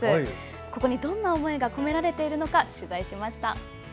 そこにどんな思いが込められているのか取材しました。